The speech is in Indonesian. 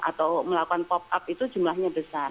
atau melakukan pop up itu jumlahnya besar